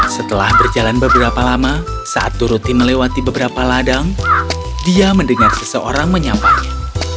setelah berjalan beberapa lama saat doroti melewati beberapa ladang dia mendengar seseorang menyapanya